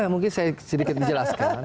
mungkin saya sedikit menjelaskan